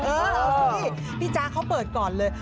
พี่พี่จ๊ะเขาเปิดก่อนเลย